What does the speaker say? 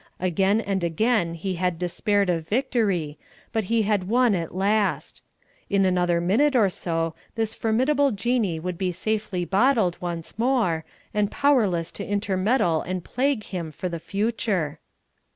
Again and again he had despaired of victory, but he had won at last. In another minute or so this formidable Jinnee would be safely bottled once more, and powerless to intermeddle and plague him for the future.